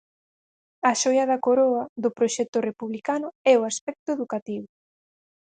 A xoia da coroa do proxecto republicano é o aspecto educativo.